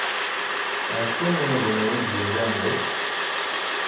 Acu n unegmu i d-yellan deg-s?